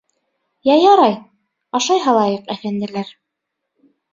...Йә, ярай, ашай һалайыҡ, әфәнделәр.